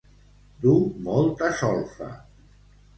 Dur molta solfa.